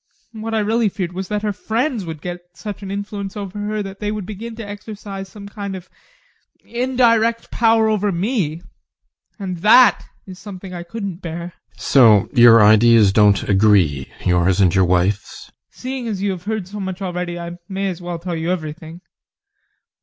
What I really feared was that her friends would get such an influence over her that they would begin to exercise some kind of indirect power over me and THAT is something I couldn't bear. GUSTAV. So your ideas don't agree yours and your wife's? ADOLPH. Seeing that you have heard so much already, I may as well tell you everything.